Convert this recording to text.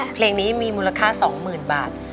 เพลงนี้มีมูลค่าสองหมื่นบาท